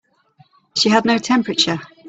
She had no temperature.